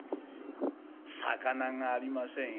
「肴がありませんよ」。